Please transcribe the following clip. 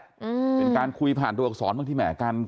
เป็นการคุยผ่านตัวกับสอนบางทีแหม